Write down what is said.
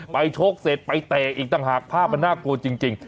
ชกเสร็จไปเตะอีกต่างหากภาพมันน่ากลัวจริง